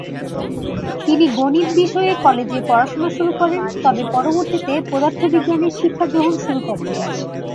তিনি গণিত বিষয়ে কলেজে পড়াশোনা শুরু করেন, তবে পরবর্তীতে পদার্থবিজ্ঞানে শিক্ষাগ্রহণ শুরু করেন।